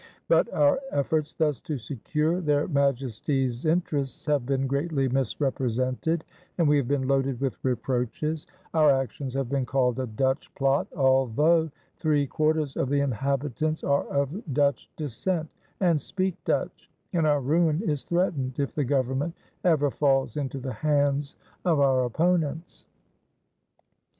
But our efforts thus to secure their Majesties interests have been greatly misrepresented, and we have been loaded with reproaches; our actions have been called a Dutch plot, although three quarters of the inhabitants are of Dutch descent, and speak Dutch; and our ruin is threatened, if the government ever falls into the hands of our opponents.